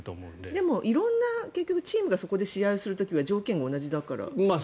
でも、色んなチームがそこで試合をする時は条件は同じだから。